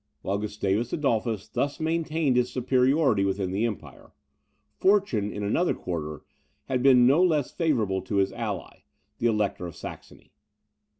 While Gustavus Adolphus thus maintained his superiority within the empire, fortune, in another quarter, had been no less favourable to his ally, the Elector of Saxony.